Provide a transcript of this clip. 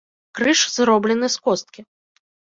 Крыж зроблены з косткі.